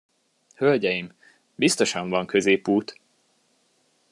Hölgyeim, biztosan van középút!